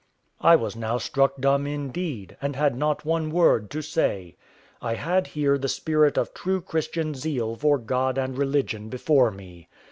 I was now struck dumb indeed, and had not one word to say. I had here the spirit of true Christian zeal for God and religion before me.